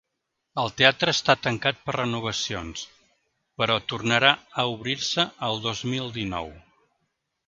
El teatre està tancat per renovacions, però tornara a obrir-se el dos mil dinou.